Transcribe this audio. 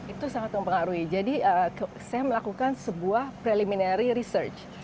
itu sangat mempengaruhi jadi saya melakukan sebuah preliminary research